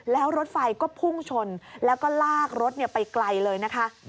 แล้วรถไฟก็พุ่งชนแล้วก็ลากรถไปไกลเลยนะคะ